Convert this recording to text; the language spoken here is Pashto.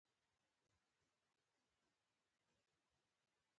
احمدشاه بابا به د ولس هر ږغ اورېده.